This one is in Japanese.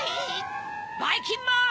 ばいきんまん！